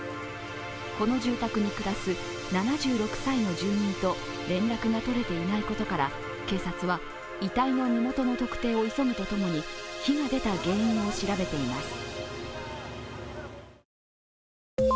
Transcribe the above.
この住宅に暮らす７６歳の住民と連絡が取れていないことから警察は、遺体の身元の特定を急ぐとともに火が出た原因を調べています。